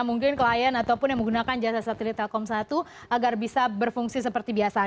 mungkin klien ataupun yang menggunakan jasa satelit telkom satu agar bisa berfungsi seperti biasa